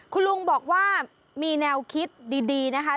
คุณลุงบอกว่ามีแนวคิดดีนะคะ